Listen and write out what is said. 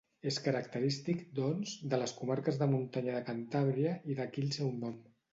És característic, doncs, de les comarques de muntanya de Cantàbria, i d'aquí el seu nom.